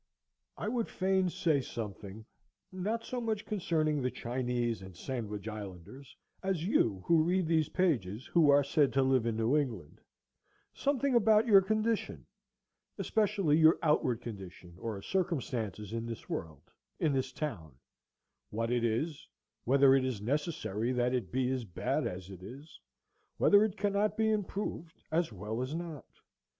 I would fain say something, not so much concerning the Chinese and Sandwich Islanders as you who read these pages, who are said to live in New England; something about your condition, especially your outward condition or circumstances in this world, in this town, what it is, whether it is necessary that it be as bad as it is, whether it cannot be improved as well as not.